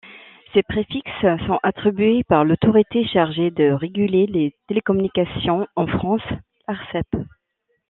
Ces préfixes sont attribués par l'autorité chargée de réguler les télécommunications en France, l'Arcep.